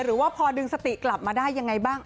หรือว่าพอดึงสติกลับมาได้ยังไงบ้าง